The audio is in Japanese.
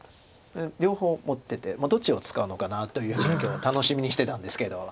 両方持っててどっちを使うのかなというふうに今日楽しみにしてたんですけど。